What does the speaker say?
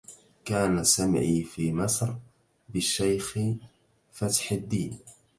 كان سمعي في مصر بالشيخ فتح الدين